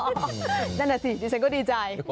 นั่นแหละสิดีใจ